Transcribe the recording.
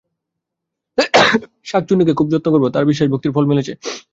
শাঁকচুন্নীকে খুব যত্ন করবে! তার বিশ্বাস-ভক্তির ফল ফলেছে।